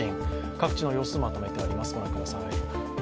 各地の様子、まとめてあります。